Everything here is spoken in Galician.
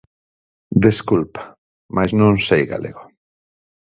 Desculpa, mais non sei galego.